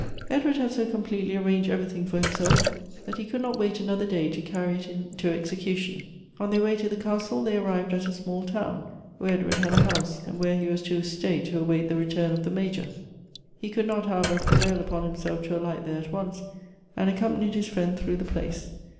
Edward had so completely arranged everything for himself, that he could not wait another day to carry it into execution. On their way to the castle, they arrived at a small town, where Edward had a house, and where he was to stay to await the return of the Major. He could not, however, prevail upon himself to alight there at once, and accompanied his friend through the place.